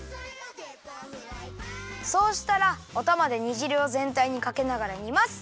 そうしたらおたまで煮じるをぜんたいにかけながら煮ます。